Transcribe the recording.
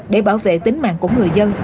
để bảo vệ tính mạng của người dân